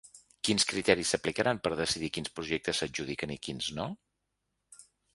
Quins criteris s’aplicaran per decidir quins projectes s’adjudiquen i quins no?